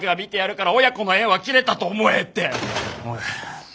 おい。